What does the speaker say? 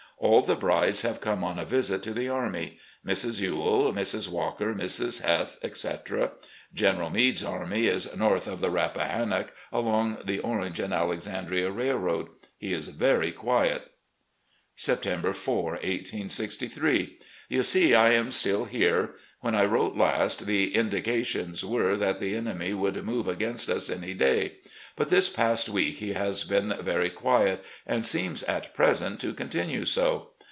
All the brides have come on a visit to the army: Mrs. Ewell, Mrs. Walker, Mrs. Heth, etc. Gen eral Meade's army is north of the Rappahannock along the Orange and Alexandria Railroad. He is very quiet. .." September 4, 1863. "... You see I am still here. When I wrote last, the indications were that the enemy would move against us any day; but this past week he has been very quiet, and seems at present to continue so.